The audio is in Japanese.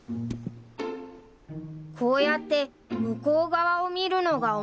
こうやって向こう側を見るのが面白い